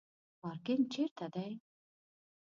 پارکینګ چیرته دی؟